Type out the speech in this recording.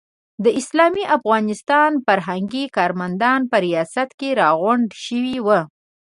د اسلامي افغانستان فرهنګي کارمندان په ریاست کې راغونډ شوي وو.